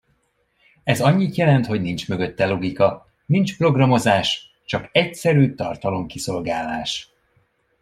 Ez annyit jelent, hogy nincs mögötte logika, nincs programozás, csak egyszerű tartalomkiszolgálás.